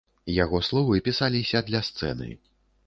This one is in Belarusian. Яго словы пісаліся для сцэны.